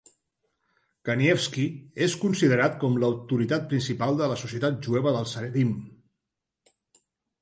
Kanievsky és considerat com l'autoritat principal de la societat jueva dels haredim.